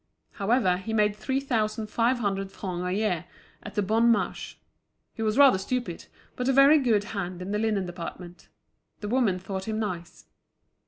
However, he made three thousand five hundred francs a year at the Bon Marche. He was rather stupid, but a very good hand in the linen department. The women thought him nice.